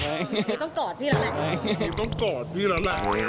ตรงนี้ต้องกอดพี่แล้วแหละ